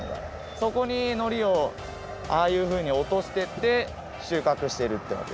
そこにのりをああいうふうにおとしてって収穫してるってわけ。